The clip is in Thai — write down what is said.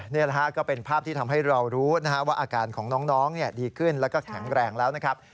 นี่แหละฮะก็เป็นภาพที่ทำให้เรารู้ว่าอาการของน้องดีขึ้นแล้วก็แข็งแรงแล้วนะครับ